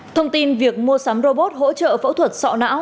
thông tin việc mua sắm robot hỗ trợ phẫu thuật sọ não